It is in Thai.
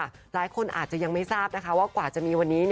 หลายคนอาจจะยังไม่ทราบนะคะว่ากว่าจะมีวันนี้